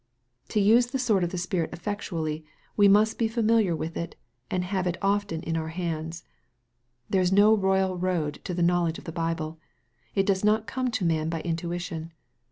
To use the sword of the Spirit effectually, we must be familiar with it, and have it often in our hands. There is no royal road to the knowledge of the Bible. It does not come to man by intuition.